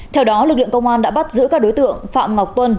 theo đó lực lượng công an đã bắt giữ các đối tượng phạm ngọc tuân